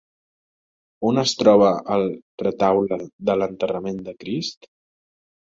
On es troba el retaule de l'Enterrament de Crist?